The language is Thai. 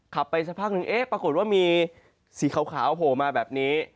ไปสักพักหนึ่งเอ๊ะปรากฏว่ามีสีขาวโผล่มาแบบนี้